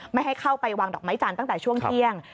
ไม่ให้เข้าไปวางดอกไม้จันทร์ตั้งแต่ช่วงเที่ยง